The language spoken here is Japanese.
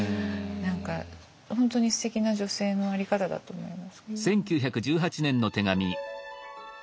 何か本当にすてきな女性の在り方だと思いますけど。